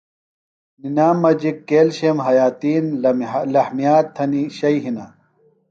نِنام مجیۡ کییلشم، حیاتین، لحمیات تھنیۡ شئے ہِنہ۔